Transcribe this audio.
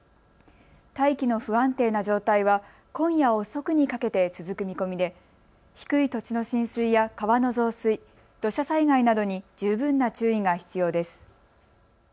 大気の不安定な状態は今夜遅くにかけて続く見込みで低い土地の浸水や川の増水、土砂災害などに十分な注意が必要です。